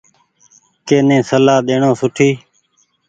ڪني سلآ ڏيڻو سوٺي۔